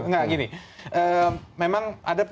nah gini memang ada